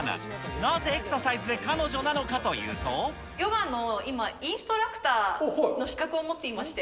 なぜ、エクササイズで彼女なのかというヨガの今、インストラクターの資格を持っていまして。